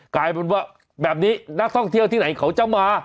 กลายเป็นว่าแบบนี้นักท่องเที่ยวที่ไหนเขาจะมา